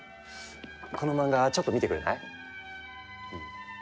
この漫画ちょっと見てくれない？